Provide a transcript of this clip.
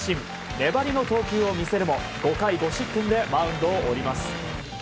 粘りの投球を見せるも５回５失点でマウンドを降ります。